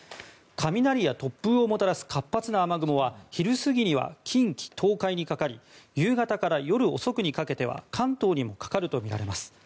雷や突風をもたらす活発な雨雲は昼過ぎには近畿・東海にかかり夕方から夜遅くには関東にもかかるとみられます。